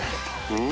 うん！